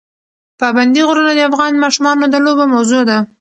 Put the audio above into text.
پابندی غرونه د افغان ماشومانو د لوبو موضوع ده.